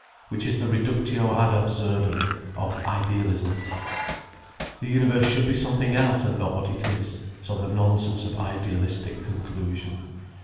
Which is the reductio ad absurdum of idealism. The universe should be something else, and not what it is: so the nonsense of idealistic conclusion.